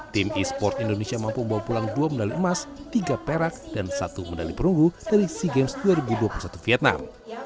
tim e sports indonesia mampu membawa pulang dua medali emas tiga perak dan satu medali perunggu dari sea games dua ribu dua puluh satu vietnam